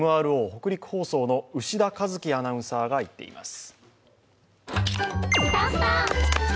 北陸放送の牛田和希アナウンサーが行っています。